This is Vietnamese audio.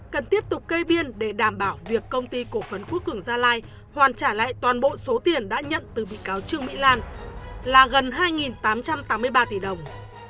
cần tiếp tục kê biên để đảm bảo việc công ty cổ phấn quốc cường gia lai hoàn trả lại toàn bộ số tiền đã nhận từ bị cáo trương mỹ lan là gần hai tám trăm tám mươi ba tỷ đồng